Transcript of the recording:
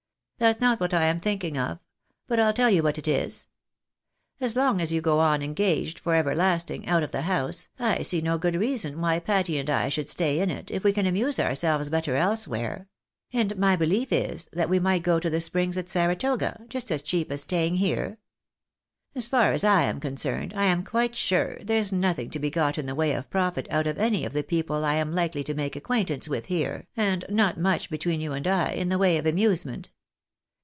That's not what I am thinking of ; but I'U teU you what it is. As long as you go on engaged for everlasting, out of the house, I see no good reason why Patty and I should stay in it, if we can amuse ourselves better elsewhere ; and 272 THE BAKNABYS IX AMEP.ICA. my belief is, that we might go to the springs at Saratoga just as cheap as staying here. As far as I am concerned, I am quite sure there's nothing to be got in the way of profit out of any of the people I am likely to make acquaintance with here, and not much, between you and I, in the way of amusement.